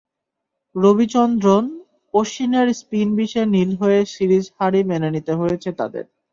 রবিচন্দ্রন অশ্বিনের স্পিন বিষে নীল হয়ে সিরিজ হারই মেনে নিতে হয়েছে তাদের।